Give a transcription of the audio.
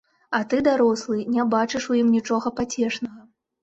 А ты, дарослы, не бачыш у ім нічога пацешнага.